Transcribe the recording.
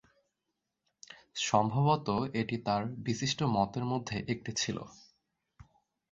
সম্ভবত এটি তার বিশিষ্ট মতের মধ্যে একটি ছিল।